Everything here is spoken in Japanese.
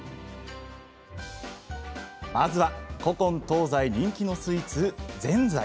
まずは古今東西人気のスイーツぜんざい。